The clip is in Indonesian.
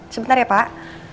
sebentar ya pak